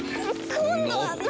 今度は何？